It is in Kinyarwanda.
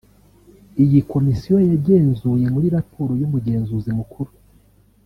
Iyi komisiyo yagenzuye muri Raporo y’Umugenzuzi Mukuru